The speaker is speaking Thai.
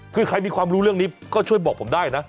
คือใครมีความรู้เรื่องนี้ก็ช่วยบอกผมได้นะ